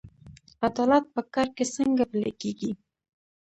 عدالت په کار کې څنګه پلی کیږي؟